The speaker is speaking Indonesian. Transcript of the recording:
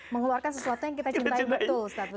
mengeluarkan sesuatu yang kita cintai betul ustaz betul